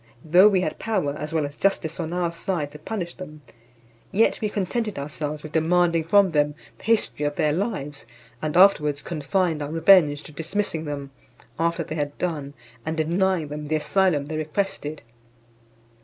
Though we had power, as well as justice on our side, to punish them, yet we contented ourselves with demanding from them the history of their lives; and afterwards confined our revenge to dismissing them, after they had done, and denying them the asylum they requested.